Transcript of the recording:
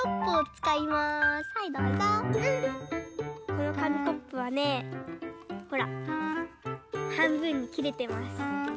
このかみコップはねほらはんぶんにきれてます。